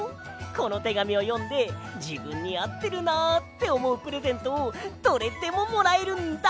このてがみをよんでじぶんにあってるなっておもうプレゼントをどれでももらえるんだ！